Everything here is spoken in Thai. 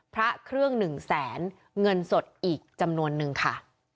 พระเครื่องหนึ่งแสนเงินสดอีกจำนวนนึงค่ะ